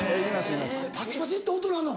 パチパチって音鳴んの？